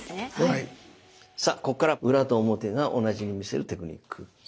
さあここから裏と表が同じに見せるテクニック。